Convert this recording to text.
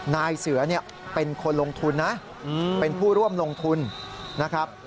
นายเสือเนี่ยเป็นคนลงทุนนะเป็นผู้ร่วมลงทุนนะครับ